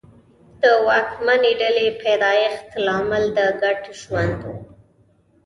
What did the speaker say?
د واکمنې ډلې پیدایښت لامل د ګډ ژوند و